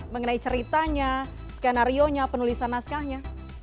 mengenai ceritanya skenario nya penulisan naskahnya